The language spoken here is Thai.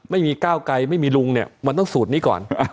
ไม่มีก้าวไกลไม่มีลุงเนี่ยมันต้องสูตรนี้ก่อน